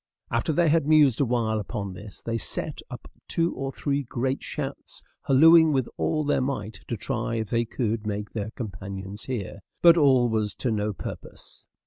After they had mused a while upon this, they set up two or three great shouts, hallooing with all their might, to try if they could make their companions hear; but all was to no purpose.